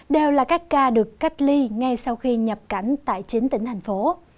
đều là các ca được cách ly ngay sau khi nhập cảnh tại chín tỉnh thành phố